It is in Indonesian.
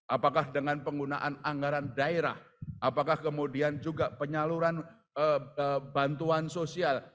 apakah dengan penggunaan anggaran daerah apakah kemudian juga penyaluran bantuan sosial